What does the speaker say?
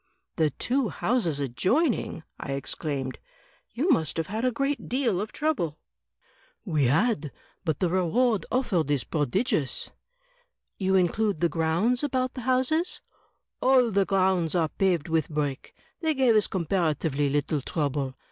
"The two houses adjoining!" I exclaimed; "you must have had a great deal of trouble." "We had; but the reward offered is prodigious." "You include the grotmds about the houses?" "All the grounds are paved with brick. They gave us compara tively little trouble.